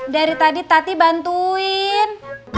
dari tadi tati bantuin